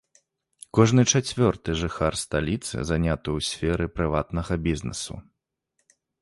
Кожны чацвёрты жыхар сталіцы заняты ў сферы прыватнага бізнэсу.